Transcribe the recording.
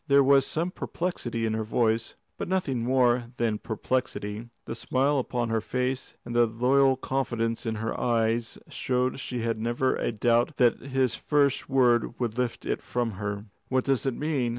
There was some perplexity in her voice, but nothing more than perplexity. The smile upon her face and the loyal confidence in her eyes showed she had never a doubt that his first word would lift it from her. "What does it mean?"